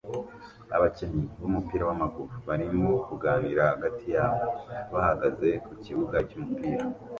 Abakinnyi b'umupira w'amaguru barimo kuganira hagati yabo bahagaze ku kibuga cy'umupira